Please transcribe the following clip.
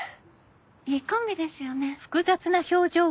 いいコンビですよね。